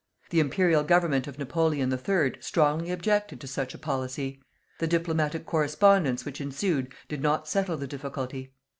The Imperial Government of Napoleon III strongly objected to such a policy. The diplomatic correspondence which ensued did not settle the difficulty.